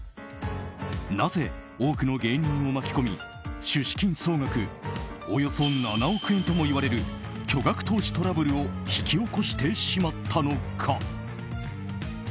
なぜ、多くの芸人を巻き込み出資金総額およそ７億円ともいわれる巨額投資トラブルを引き起こしてしまったのか。